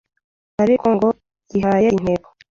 Ariko ngo yihaye intego